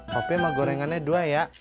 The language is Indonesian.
kopi sama gorengannya dua ya